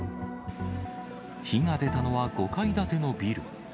火が出たのは５階建てのビル。